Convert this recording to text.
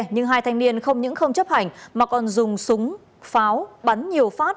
nhưng hai thanh niên không những không chấp hành mà còn dùng súng pháo bắn nhiều phát